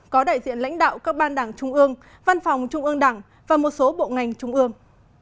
có đại diện lãnh đạo các ban đảng trung ương văn phòng trung ương đảng và một số bộ ngành trung ương